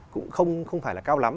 cũng không phải là cao lắm